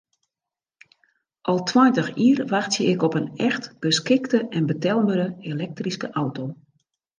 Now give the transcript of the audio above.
Al tweintich jier wachtsje ik op in echt geskikte en betelbere elektryske auto.